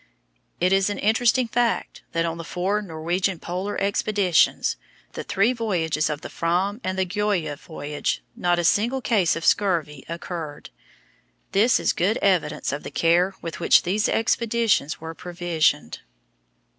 It is an interesting fact that on the four Norwegian Polar expeditions the three voyages of the Fram and the Gjöa's voyage not a single case of scurvy occurred. This is good evidence of the care with which these expeditions were provisioned.